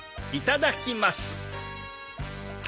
いただきます。